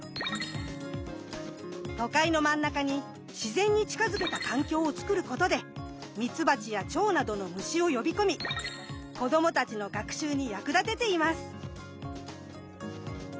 都会の真ん中に自然に近づけた環境をつくることでミツバチやチョウなどの虫を呼び込み子どもたちの学習に役立てています。